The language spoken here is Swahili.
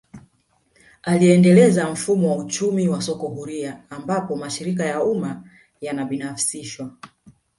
Aliendeleza mfumo wa uchumi wa soko huria ambapo mashirika ya umma yanabinafsishwa